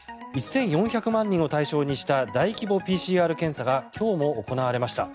１４００万人を対象にした大規模ＰＣＲ検査が今日も行われました。